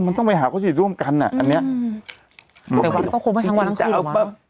เออมันต้องไปหาข้อยุติร่วมกันอ่ะอืมอันเนี้ยแต่วัดก็คงไม่ทั้งวันทั้งคืนหรือเปล่า